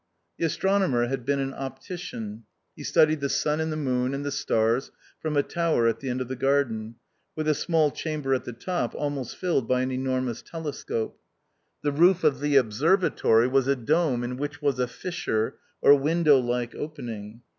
The Astronomer had been an optician. He studied the sun and the moon and the stars from a tower at the end of the garden, with a small chamber at the top almost rilled by an enormous telescope. The roof of the observatory was a dome in which was a fissure, or window like opening.